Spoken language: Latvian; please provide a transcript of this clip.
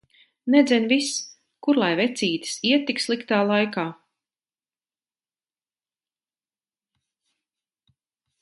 Nedzen vis! Kur lai vecītis iet tik sliktā laika.